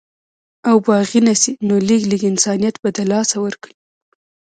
او باغي نسي نو لږ، لږ انسانيت به د لاسه ورکړي